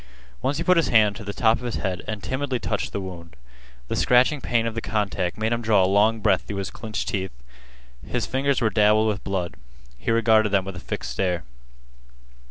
Once he put his hand to the top of his head and timidly touched the wound. The scratching pain of the contact made him draw a long breath through his clinched teeth. His fingers were dabbled with blood. He regarded them with a fixed stare.